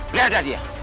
beli ada dia